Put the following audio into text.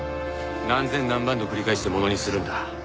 何千何万と繰り返してものにするんだ。